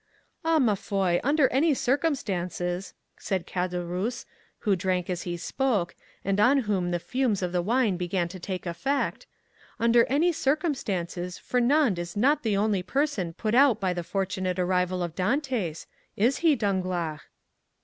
"Ah, ma foi, under any circumstances!" said Caderousse, who drank as he spoke, and on whom the fumes of the wine began to take effect,—"under any circumstances Fernand is not the only person put out by the fortunate arrival of Dantès; is he, Danglars?"